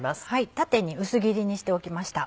縦に薄切りにしておきました。